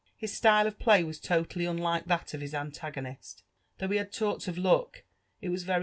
His style of play was totally unlike that of his antagonist : though* be had talked of luck,, it was very.